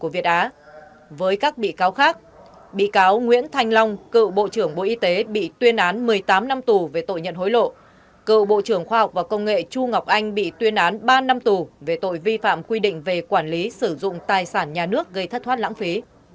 với các bị cáo khác bị cáo nguyễn thanh long cựu bộ trưởng bộ y tế bị tuyên án một mươi tám năm tù về tội nhận hối lộ cựu bộ trưởng khoa học và công nghệ chu ngọc anh bị tuyên án ba năm tù về tội vi phạm quy định về quản lý sử dụng tài sản nhà nước gây thất thoát lãng phí